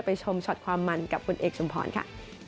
ชมช็อตความมันกับคุณเอกชุมพรค่ะ